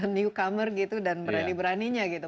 men newcomer gitu dan berani beraninya gitu